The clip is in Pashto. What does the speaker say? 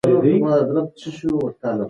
هغه د ادارو پياوړتيا ته پام وکړ.